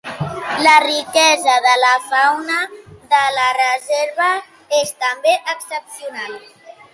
La riquesa de la fauna de la reserva és també excepcional.